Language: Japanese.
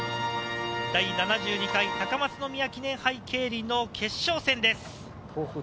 第７２回高松宮記念杯競輪の決勝戦です。